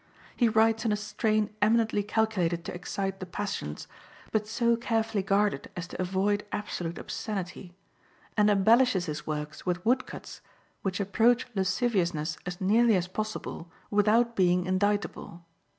He writes in a strain eminently calculated to excite the passions, but so carefully guarded as to avoid absolute obscenity, and embellishes his works with wood cuts which approach lasciviousness as nearly as possible without being indictable.